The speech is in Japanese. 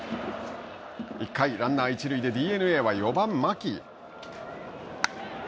１回、ランナー一塁でＤｅＮＡは４番牧。